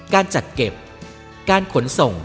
การจัดเก็บการขนส่ง